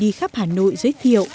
đi khắp hà nội giới thiệu